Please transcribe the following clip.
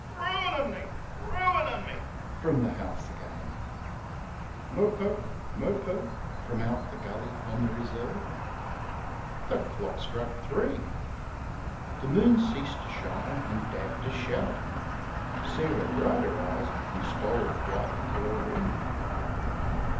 "Ruinin' me! ruinin' me!" from the house again. "Mo poke, mo poke," from out the gully on the reserve. The clock struck three. The moon ceased to shine, and Dad to shout. Sarah dried her eyes and stole quietly to her room.